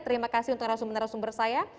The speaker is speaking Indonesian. terima kasih untuk narasum narasumber saya